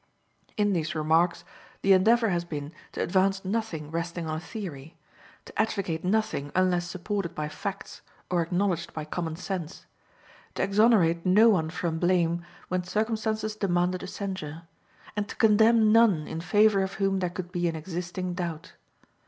In these remarks, the endeavor has been to advance nothing resting on a theory; to advocate nothing unless supported by facts or acknowledged by common sense; to exonerate no one from blame when circumstances demanded a censure, and to condemn none in favor of whom there could be an existing doubt.